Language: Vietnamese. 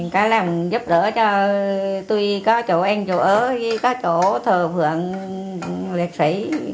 có làm giúp đỡ cho tôi có chỗ ăn chỗ ở có chỗ thờ phượng liệt sĩ